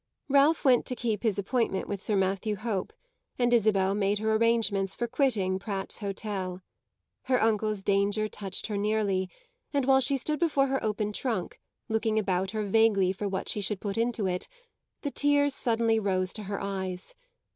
Ralph went to keep his appointment with Sir Matthew Hope, and Isabel made her arrangements for quitting Pratt's Hotel. Her uncle's danger touched her nearly, and while she stood before her open trunk, looking about her vaguely for what she should put into it, the tears suddenly rose to her eyes.